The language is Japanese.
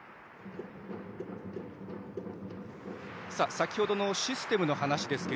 先ほどのシステムの話ですが